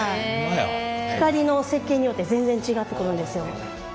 光の設計によって全然違ってくるんですよ。